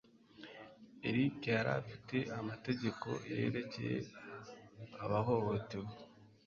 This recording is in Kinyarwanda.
Eric yari afite amategeko yerekeye abahohotewe.